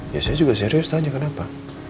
ya saya juga serius tanya kenapa